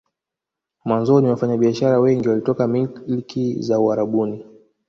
Mwanzoni wafanya biashara wengi walitoka milki za Uarabuni